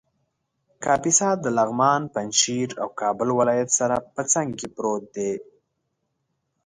کاپیسا د لغمان ، پنجشېر او کابل ولایت سره په څنګ کې پروت دی